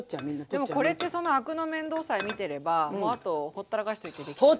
でもこれってそのアクの面倒さえ見てればもうあとほったらかしといてできちゃう。